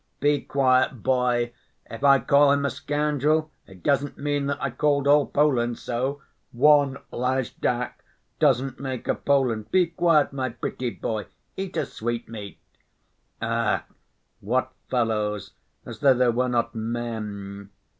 "Be quiet, boy! If I call him a scoundrel, it doesn't mean that I called all Poland so. One lajdak doesn't make a Poland. Be quiet, my pretty boy, eat a sweetmeat." "Ach, what fellows! As though they were not men.